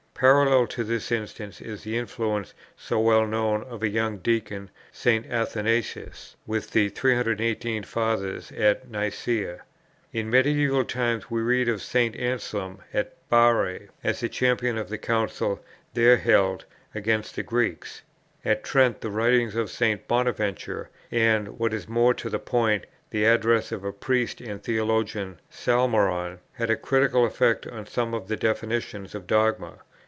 Parallel to this instance is the influence, so well known, of a young deacon, St. Athanasius, with the 318 Fathers at Nicæa. In mediæval times we read of St. Anselm at Bari, as the champion of the Council there held, against the Greeks. At Trent, the writings of St. Bonaventura, and, what is more to the point, the address of a Priest and theologian, Salmeron, had a critical effect on some of the definitions of dogma.